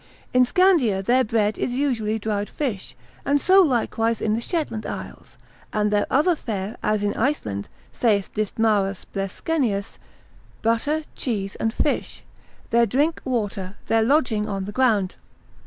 In Scandia their bread is usually dried fish, and so likewise in the Shetland Isles; and their other fare, as in Iceland, saith Dithmarus Bleskenius, butter, cheese, and fish; their drink water, their lodging on the ground.